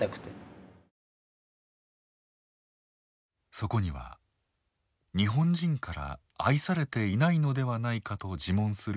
そこには日本人から愛されていないのではないかと自問する